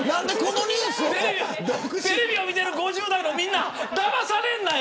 テレビを見てる５０代のみんなだまされるなよ。